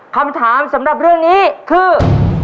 คำถามสำหรับเรื่องนี้คือ